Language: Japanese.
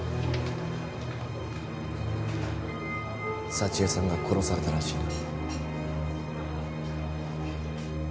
沙知絵さんが殺されたらしいな。